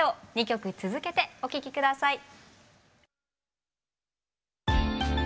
２曲続けてお聴き下さい。